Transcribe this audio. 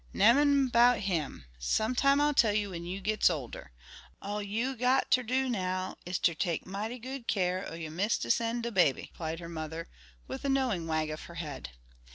"Nemmin' 'bout him. Sometime I'll tell you when you gits older. All you got ter do now is ter take mighty good keer o' your mistis and de baby," replied her mother, with a knowing wag of her head.